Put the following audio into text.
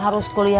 ya yang di hatinya